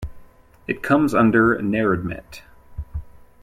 It comes under Neredmet.